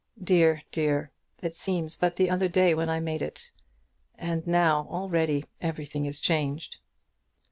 Dear, dear; it seems but the other day when I made it, and now, already, everything is changed."